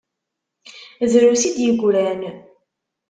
Drus i d-yeggran.